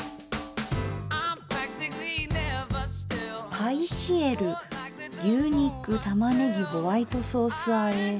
「パイシエル牛肉玉ねぎホワイトソース和え」。